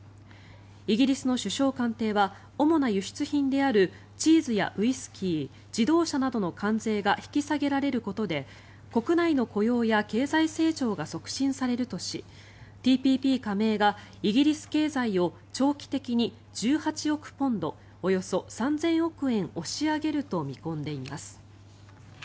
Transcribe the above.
イギリスの首相官邸は主な輸出品であるチーズやウイスキー自動車などの関税が引き下げられることで国内の雇用や経済成長が促進されるとしＴＰＰ加盟がイギリス経済を長期的に１８億ポンドおよそ３０００億円押し上げると見込んでいます。